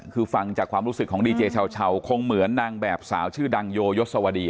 คือฟังจากความรู้สึกของดีเจเช้าคงเหมือนนางแบบสาวชื่อดังโยยศวดี